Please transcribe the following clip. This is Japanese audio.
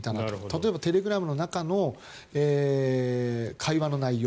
例えばテレグラムの中の会話の内容